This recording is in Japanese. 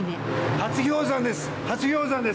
初氷山です。